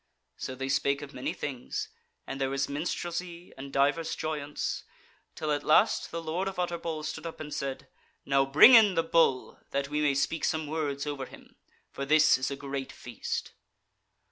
So they spake of many things, and there was minstrelsy and diverse joyance, till at last the Lord of Utterbol stood up and said: "Now bring in the Bull, that we may speak some words over him; for this is a great feast."